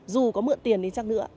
dù có mượn tiền hay chắc nữa